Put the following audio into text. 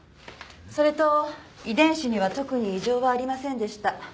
それと遺伝子には特に異常はありませんでした。